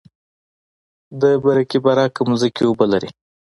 د برکي برک ځمکې اوبه لري